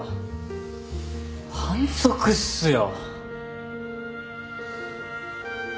反則っすよ。